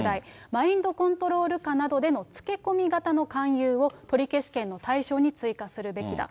マインドコントロール下などでの付け込み型の勧誘を取消権の対象に追加するべきだ。